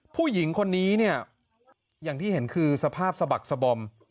ผู้หญิงคนนี้เนี่ยอย่างที่เห็นคือสภาพสะบักสบอม